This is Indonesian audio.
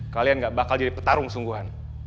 kalian gak bakal jadi petarung sungguhan